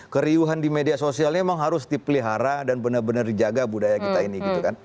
keriuhan di media sosial ini memang harus dipelihara dan benar benar dijaga budaya kita ini